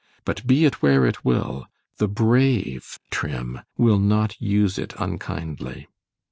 ——but be it where it will, the brave, Trim! will not use it unkindly.